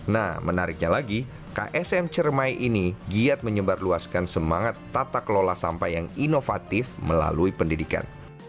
nah menariknya lagi ksm cermai ini giat menyebarluaskan semangat tata kelola sampah yang inovatif melalui pendidikan